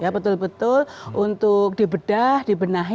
betul betul untuk dibedah dibenahi